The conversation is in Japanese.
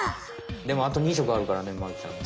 でもあと２色あるからねまるちゃん。